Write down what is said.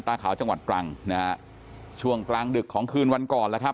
ตาขาวจังหวัดตรังช่วงกลางดึกของคืนวันก่อน